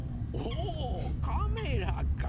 おおカメラか！